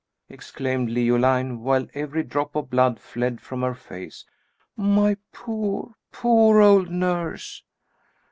exclaimed Leoline, while every drop of blood fled from her face. "My poor, poor old nurse!"